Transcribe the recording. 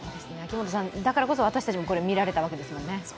だからこそ私たちもこれを見られたわけですもんね。